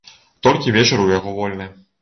Толькі вечар у яго вольны.